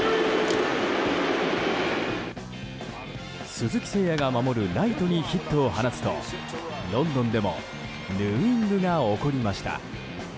鈴木誠也が守るライトにヒットを放つとロンドンでもヌーイングが起こりました。